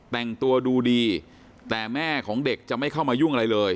แต่งตัวดูดีแต่แม่ของเด็กจะไม่เข้ามายุ่งอะไรเลย